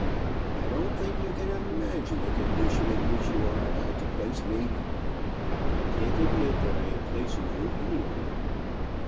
"I don't think you can imagine the condition in which you are about to place me." "I can't admit that I am placing you anywhere."